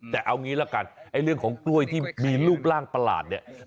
แต่เอางี้ละกันเรื่องของกล้วยที่มีรูปร่างประหลาดเนี่ย